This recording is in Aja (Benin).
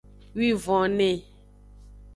Wivonne.